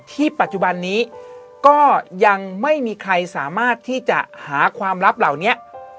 ปัจจุบันนี้ก็ยังไม่มีใครสามารถที่จะหาความลับเหล่านี้